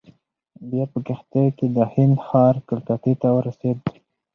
بیا په کښتۍ کې د هند ښار کلکتې ته ورسېد.